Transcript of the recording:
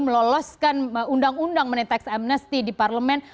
meloloskan undang undang menitaks amnesty di parlemen